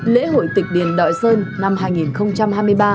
lễ hội tịch điền đội sơn năm hai nghìn hai mươi ba